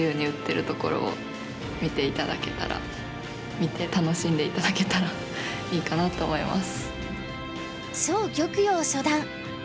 見て楽しんで頂けたらいいかなと思います。